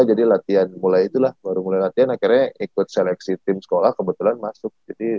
jadi latihan mulai itulah baru mulai latihan akhirnya ikut seleksi tim sekolah kebetulan masuk